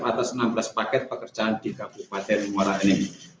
atas enam belas paket pekerjaan di kabupaten muara enim